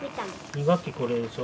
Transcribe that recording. ２学期これでしょ。